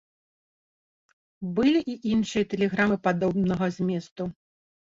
Былі і іншыя тэлеграмы падобнага зместу.